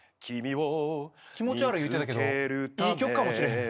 気持ち悪いいうてたけどいい曲かもしれへん。